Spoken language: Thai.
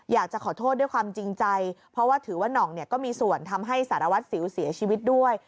อยากจะขอโทษด้วยความจริงใจเพราะว่าถือว่าน่องเนี่ยก็มีส่วนทำให้สารวัตรสิวเสียชีวิตด้วย